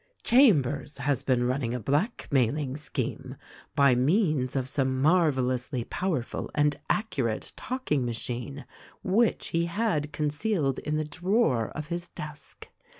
Chambers has been running a blackmailing scheme by means of some marvelously powerful and accurate talking machine which he had concealed in the drawer of his desk.